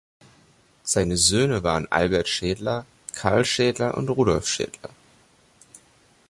Seine Söhne waren Albert Schädler, Carl Schädler und Rudolf Schädler.